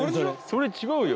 それ違うよ。